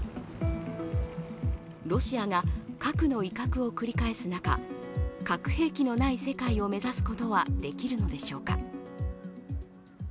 ロシアが核の威嚇を繰り返す中、核兵器のない世界を目指すことはできるのでしょうか。